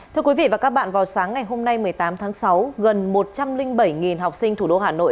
thưa quý vị và các bạn vào sáng ngày hôm nay một mươi tám tháng sáu gần một trăm linh bảy học sinh thủ đô hà nội